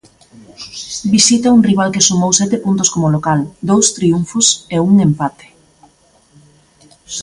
Visita un rival que sumou sete puntos como local, dous triunfos e un empate.